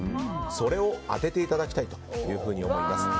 それを当てていただきたいと思います。